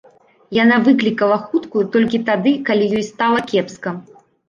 Яна выклікала хуткую толькі тады, калі ёй стала кепска.